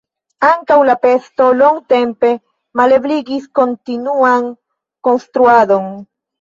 Ankaŭ la pesto longtempe malebligis kontinuan konstruadon.